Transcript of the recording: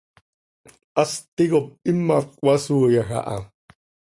Hast ticop imac cöhasooyaj aha.